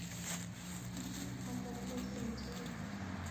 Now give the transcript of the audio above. He sits as a crossbencher.